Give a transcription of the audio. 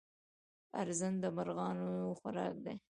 ارزن د مرغانو خوراک دی.